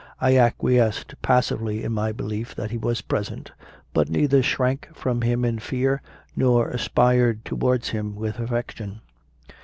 I acquiesced passively in my belief that He was present, but neither shrank from Him in fear nor aspired towards Him with affection.